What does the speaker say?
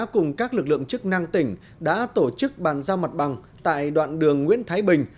cùng các lực lượng chức năng tỉnh đã tổ chức bàn giao mặt bằng tại đoạn đường nguyễn thái bình